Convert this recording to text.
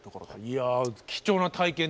いや貴重な体験でした。